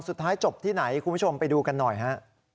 สุดท้ายจบที่ไหนคุณผู้ชมไปดูกันหน่อยฮะ